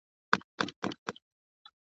عمرونه وسول په تیارو کي دي رواني جرګې ..